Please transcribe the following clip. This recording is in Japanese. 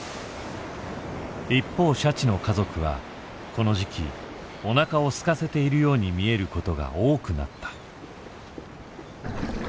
一方シャチの家族はこの時期おなかをすかせているように見えることが多くなった。